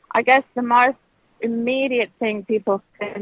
saya rasa hal terbaru yang bisa dilakukan sekarang